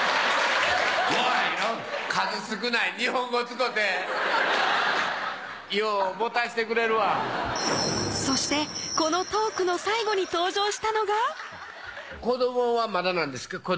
数少ない日本語使てようもたしてくれるわそしてこのトークの最後に登場したのが子どもはまだなんですか？